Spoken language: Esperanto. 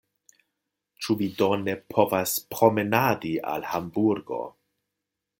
Ĉu vi do ne povas promenadi al Hamburgo?